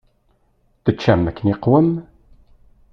Teččam akken iqwem?